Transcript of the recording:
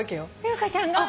優香ちゃんが。